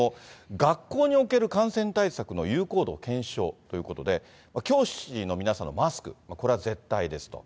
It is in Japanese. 学校における感染対策の有効度検証ということで、教師の皆さんのマスク、これは絶対ですと。